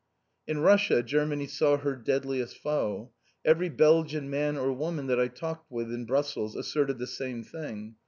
In Russia, Germany saw her deadliest foe. Every Belgian man or woman that I talked with in Brussels asserted the same thing.